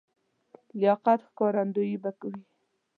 لیاقت ښکارندوی به وي.